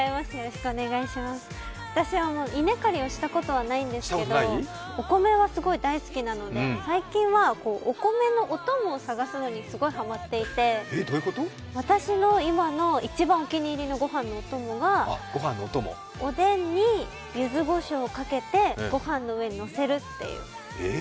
私は稲刈りをしたことはないんですけど、お米はすごい大好きなので最近はお米のお供を探すのにすごいハマっていて、私の今の一番お気に入りのご飯のお供はおでんにゆずこしょうをかけてごはんの上にのせるという。